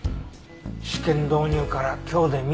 試験導入から今日で３日目。